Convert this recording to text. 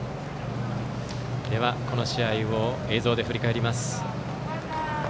この試合を映像で振り返ります。